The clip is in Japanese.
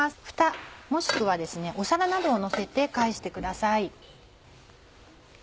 ふたもしくはですね皿などをのせて返してください。